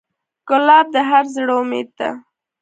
ګلاب د هر زړه امید ده.